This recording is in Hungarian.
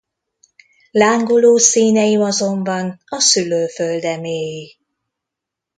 Lángoló színeim azonban a szülőföldeméi.